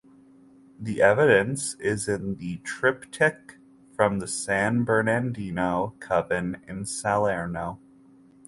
The evidence is in the triptych from the San Bernardino coven in Salerno.